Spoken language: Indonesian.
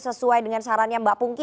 sesuai dengan sarannya mbak pungki